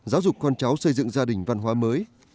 giáo dục con cháu xây dựng gia đình văn hóa mới